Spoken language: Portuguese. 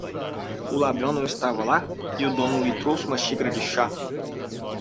O ladrão não estava lá? e o dono lhe trouxe uma xícara de chá.